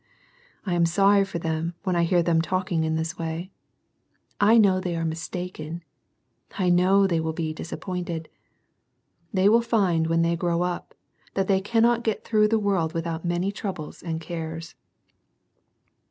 I am sorry for them when I hea them talking in this way. I know they an jj'i mistaken. I know they will be disappointed They will find when they grow up, that the] t^ cannot get through the world without man] j, troubles and cares.